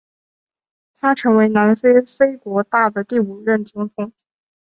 他成为南非非国大的第五任总统。